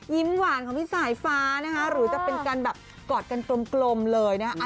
หวานของพี่สายฟ้านะคะหรือจะเป็นการแบบกอดกันกลมเลยนะฮะ